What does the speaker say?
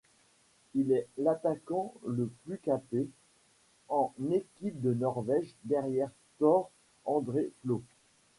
Il est l'attaquant le plus capé en équipe de Norvège derrière Tore André Flo.